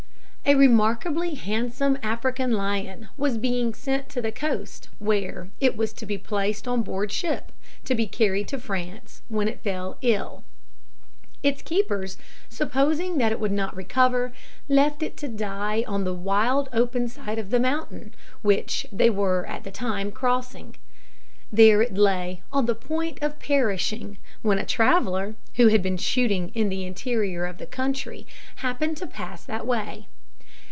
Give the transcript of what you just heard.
A remarkably handsome African lion was being sent to the coast, where it was to be placed on board ship, to be carried to France, when it fell ill. Its keepers, supposing that it would not recover, left it to die on the wild open side of the mountain which they were at the time crossing. There it lay, on the point of perishing, when a traveller, who had been shooting in the interior of the country, happened to pass that way.